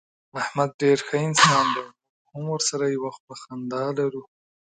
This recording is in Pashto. احمد ډېر ښه انسان دی. موږ هم ورسره یوه خوله خندا لرو.